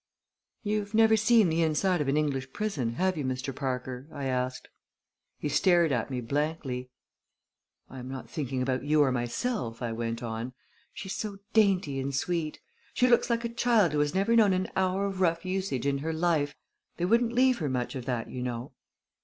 "You've never seen the inside of an English prison, have you, Mr. Parker?" I asked. He stared at me blankly. "I am not thinking about you or myself," I went on. "She's so dainty and sweet! She looks like a child who has never known an hour of rough usage in her life. They wouldn't leave her much of that, you know."